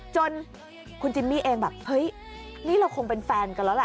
จนคุณจิมมี่เองแบบเฮ้ยนี่เราคงเป็นแฟนกันแล้วแหละ